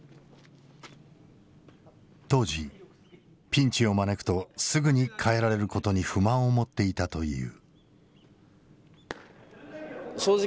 当時ピンチを招くとすぐに代えられることに不満を持っていたという。